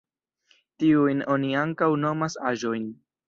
Tiujn oni ankaŭ nomas aĵojn.